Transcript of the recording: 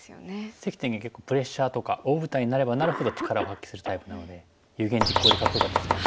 関天元結構プレッシャーとか大舞台になればなるほど力を発揮するタイプなので有言実行でかっこよかったですね。